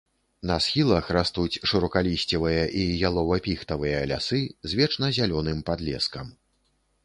На схілах растуць шырокалісцевыя і ялова-піхтавыя лясы з вечназялёным падлескам.